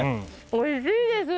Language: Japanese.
おいしいです。